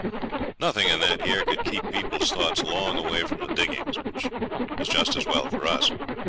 Nothing in that year could keep people's thoughts long away from the diggings, which was just as well for us.